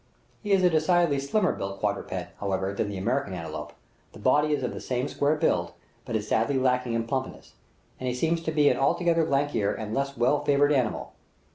He is a decidedly slimmer built quadruped, however, than the American antelope; the body is of the same square build, but is sadly lacking in plumpness, and he seems to be an altogether lankier and less well favored animal.